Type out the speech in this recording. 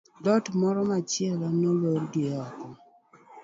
dhot moro machielo nolor gi oko